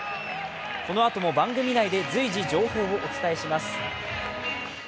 このあとも番組内で随時情報をお伝えします。